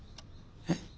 えっ？